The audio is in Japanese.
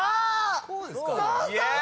こうですか？